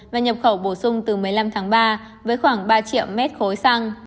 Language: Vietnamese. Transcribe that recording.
và nhập khẩu bổ sung từ một mươi năm tháng ba với khoảng ba triệu mét khối xăng